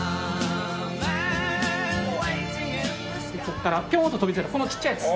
ここからピョーンと飛び出たこのちっちゃいやつ。